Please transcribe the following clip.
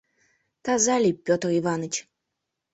Таза лий, Пӧтыр Иваныч!